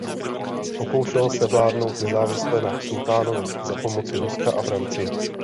Pokoušel se vládnout nezávisle na sultánovi za pomoci Ruska a Francie.